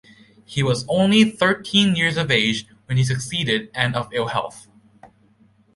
He was only thirteen years of age when he succeeded and of ill health.